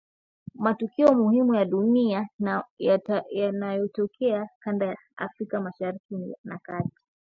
matukio muhimu ya dunia na yanayotokea kanda ya Afrika Mashariki na Kati